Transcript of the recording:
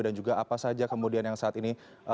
dan juga apa saja kemudian yang saat ini